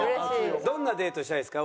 どんなデートしたいですか？